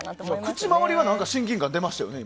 口周りは親近感出ましたよね。